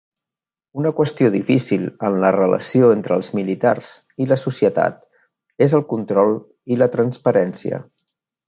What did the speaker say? Una qüestió difícil en la relació entre els militars i la societat és el control i la transparència.